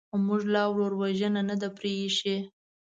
موږ لا ورور وژنه نه ده پرېښې.